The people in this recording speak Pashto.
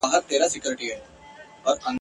ستا دي خپل خلوت روزي سي پر کتاب که ډېوه ستړې !.